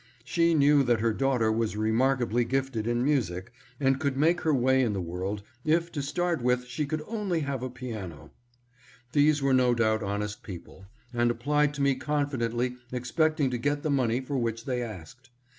She knew that her daughter was remarkably gifted in music, and could make her way in the world if to start with she could only have a piano. These were no doubt honest people, and applied to me confidently expecting to get the money for which they asked.